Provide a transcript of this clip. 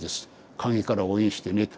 陰から応援してね」と。